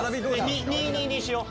２・２にしよう。